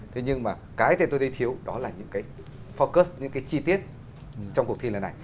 thế nhưng mà cái tôi thấy thiếu đó là những cái focus những cái chi tiết trong cuộc thi là này